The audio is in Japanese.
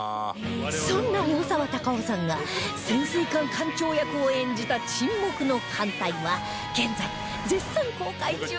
そんな大沢たかおさんが潜水艦艦長役を演じた『沈黙の艦隊』は現在絶賛公開中